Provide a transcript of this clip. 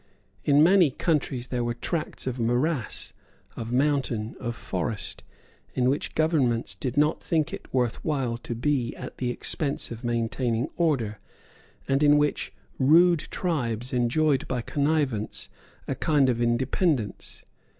In many countries there were tracts of morass, of mountain, of forest, in which governments did not think it worth while to be at the expense of maintaining order, and in which rude tribes enjoyed by connivance a kind of independence.